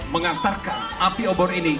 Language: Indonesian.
mengantarkan api obor ini